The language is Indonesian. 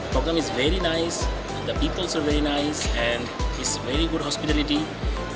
programnya sangat baik orang orang juga sangat baik dan hospitalnya sangat baik